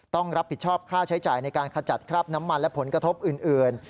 ต้องรับผิดชอบค่าใช้จ่ายในการขจัดคราบน้ำมันและผลกระทบอื่น